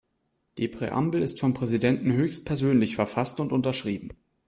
Die Präambel ist vom Präsidenten höchstpersönlich verfasst und unterschrieben.